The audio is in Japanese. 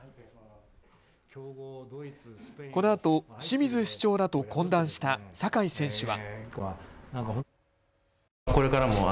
このあと清水市長らと懇談した酒井選手は。